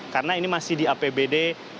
karena ini masih di apbd dua ribu tujuh belas